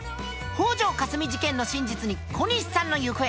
北條かすみ事件の真実に小西さんの行方。